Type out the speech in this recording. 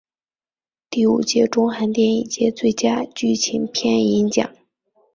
第五届中韩电影节最佳剧情片银奖。